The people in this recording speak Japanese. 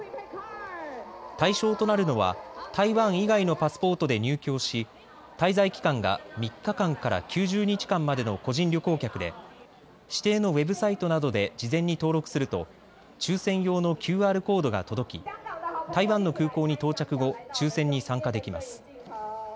対象となるのは台湾以外のパスポートで入境し滞在期間が３日間から９０日間までの個人旅行客で指定のウェブサイトなどで事前に登録すると抽せん用のＱＲコードが届き台湾の空港に到着後抽せんに参加できます。